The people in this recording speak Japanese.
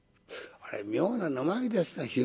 あれ妙な名前ですね